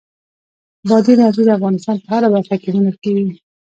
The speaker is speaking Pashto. بادي انرژي د افغانستان په هره برخه کې موندل کېږي.